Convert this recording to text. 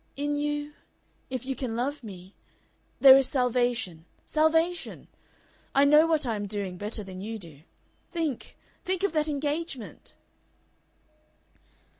In you if you can love me there is salvation. Salvation. I know what I am doing better than you do. Think think of that engagement!"